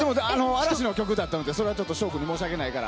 嵐の曲を歌ったのでそれは翔君に申し訳ないから。